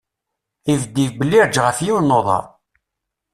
Ibedd yibellireǧ ɣef yiwen n uḍar.